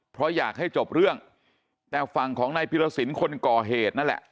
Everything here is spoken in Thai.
เพราะอยากให้จบเรื่องแต่ฝั่งของนายพิรสินคนก่อเหตุนั่นแหละ